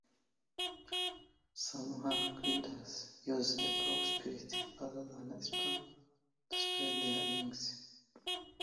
Some hang gliders use a bowsprit, rather than a spar to spread their wings.